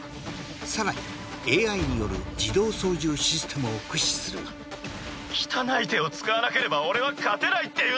更にＡⅠによる自動操縦システムを駆使するが汚い手を使わなければ俺は勝てないっていうのか？